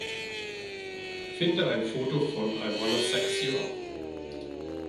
Finde ein Foto von I Wanna Sex You Up